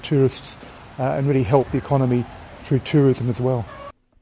dan benar benar membantu ekonomi melalui pelancongan juga